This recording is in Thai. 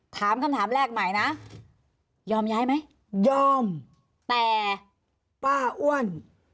ถามคำถามแรกใหม่นะยอมย้ายไหมยอมแต่ป้าอ้วน